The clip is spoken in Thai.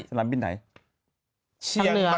สนามบินไหน